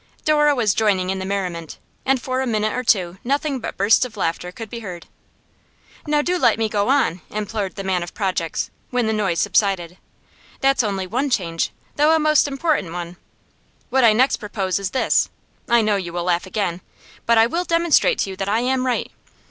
Dora was joining in the merriment, and for a minute or two nothing but bursts of laughter could be heard. 'Now do let me go on,' implored the man of projects, when the noise subsided. 'That's only one change, though a most important one. What I next propose is this: I know you will laugh again, but I will demonstrate to you that I am right.